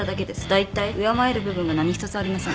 だいたい敬える部分が何一つありません。